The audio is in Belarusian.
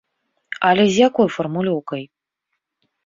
Але з якой фармулёўкай?